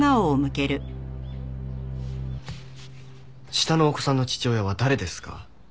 下のお子さんの父親は誰ですか？